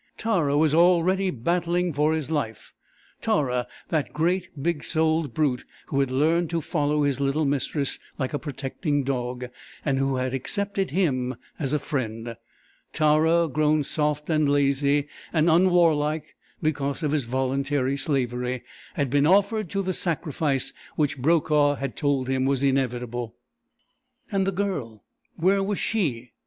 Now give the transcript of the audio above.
Tara was already battling for his life Tara, that great, big souled brute who had learned to follow his little mistress like a protecting dog, and who had accepted him as a friend Tara, grown soft and lazy and unwarlike because of his voluntary slavery, had been offered to the sacrifice which Brokaw had told him was inevitable! And the Girl! Where was she?